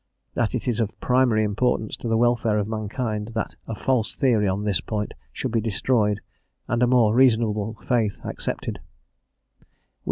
that it is of primary importance to the welfare of mankind that a false theory on this point should be destroyed and a more reasonable faith accepted?